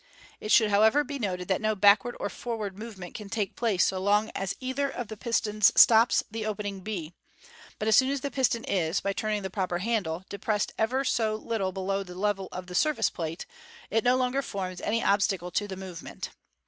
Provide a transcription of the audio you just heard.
It should, how ever, be noted that no backward or forward movement can take place so long as either of the pistons stops the opening b ; but as soon as the piston is, by turn ing the proper handle, de pressed ever so little below the level of the surface plate, it no longer forms any obstacle to the movement.